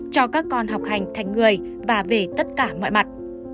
cho các con học hành thành người và về tất cả mọi mặt